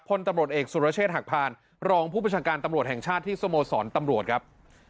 พลตำรวจเอกสุรเชษฐหักพานรองผู้ประชาการตำรวจแห่งชาติที่สโมสรตำรวจครับ